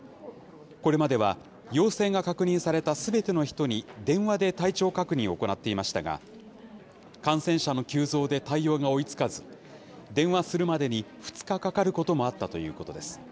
これまでは、陽性が確認されたすべての人に電話で体調確認を行っていましたが、感染者の急増で対応が追いつかず、電話するまでに２日かかることもあったということです。